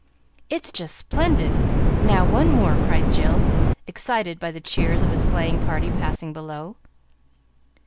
"It's just splendid! Now, one more!" cried Jill, excited by the cheers of a sleighing party passing below.